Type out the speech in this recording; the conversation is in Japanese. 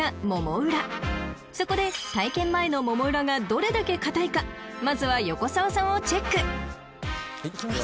［そこで体験前のもも裏がどれだけ硬いかまずは横澤さんをチェック］いきます。